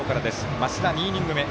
増田、２イニング目。